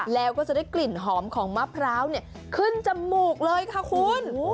แล้วก็จะได้กลิ่นหอมของมะพร้าวขึ้นจมูกเลยค่ะคุณ